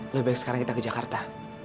lebih baik sekarang kita ke jakarta